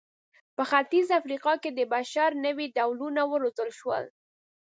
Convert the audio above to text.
په ختیځه افریقا کې د بشر نوي ډولونه وروزل شول.